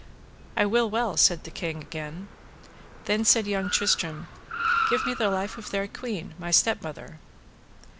I will well, said the king again. Then said young Tristram, Give me the life of thy queen, my stepmother.